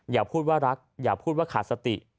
อย่าพูดว่ารักอย่าพูดว่าขาดสติ